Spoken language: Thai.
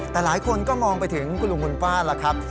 แต่หลายคนก็มองไปถึงคุณลุงคุณป้าแล้วครับ